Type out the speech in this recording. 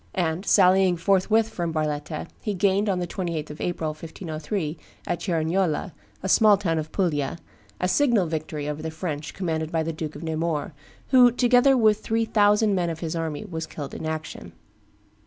And sallying forthwith from Barletta, he gained, on the 28th of April, 1503, at Cerignola, a small town of Puglia, a signal victory over the French commanded by the Duke of Nemours, who, together with three thousand men of his army, was killed in action.